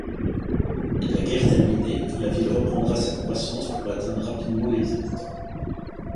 La guerre terminée, la ville reprend sa croissance pour atteindre rapidement les habitants.